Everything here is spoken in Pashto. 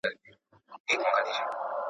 هغه راغی لکه خضر ځلېدلی.